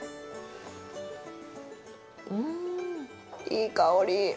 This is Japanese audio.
うんいい香り。